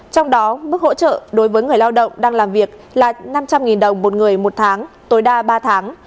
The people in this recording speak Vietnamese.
trong đó mức hỗ trợ đối với người lao động đang làm việc là năm trăm linh đồng một người một tháng tối đa ba tháng